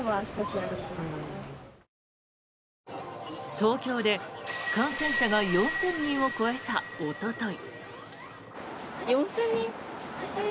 東京で感染者が４０００人を超えたおととい。